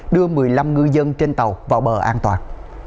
đưa một mươi năm ngư dân trên tàu vào bờ an toàn